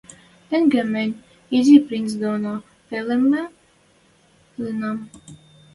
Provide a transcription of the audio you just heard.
Тенге мӹнь Изи принц доно пӹлӹмӹ линӓм.